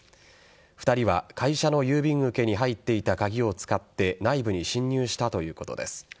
２人は会社の郵便受けに入っていた鍵を使って内部に侵入したということです。